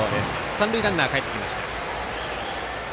三塁ランナー、かえってきました。